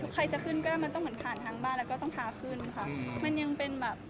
ไทยจะขึ้นก็มันเท่านางบ้านก็ต้องมาพยายามทางคืนค่ะ